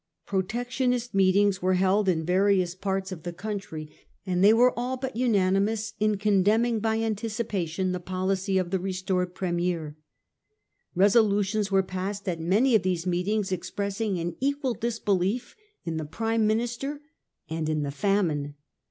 Protectionist meetings were held in various parts of 1846. THE OPENING OF PARLIAMENT. S77 the country, and they were all but unanimous in con demning by anticipation the policy of the restored Premier. Kesolutions were passed at many of these meetings expressing an equal disbelief in the Prime Minister and in the famine.